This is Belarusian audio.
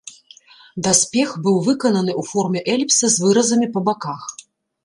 Даспех быў выкананы ў форме эліпса з выразамі па баках.